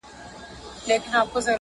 ځینو ته ان د شپې پر درې بجې نوبت رسیږي